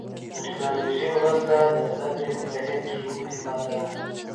د ټکنالوژۍ مرسته د زده کړې په بهیر کې مهمه ده.